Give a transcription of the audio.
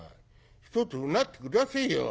ひとつうなって下せえよ」。